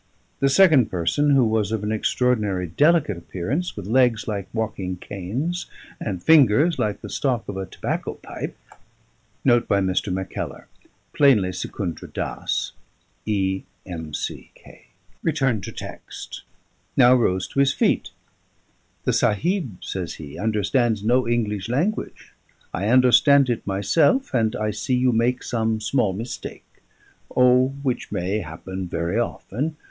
The second person, who was of an extraordinary delicate appearance, with legs like walking canes and fingers like the stalk of a tobacco pipe, now rose to his feet. "The Sahib," says he, "understands no English language. I understand it myself, and I see you make some small mistake O! which may happen very often.